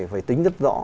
phải tính rất rõ